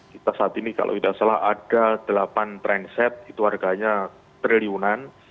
kita saat ini kalau tidak salah ada delapan transit itu harganya triliunan